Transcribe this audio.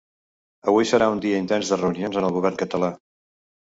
Avui serà un dia intens de reunions en el govern català.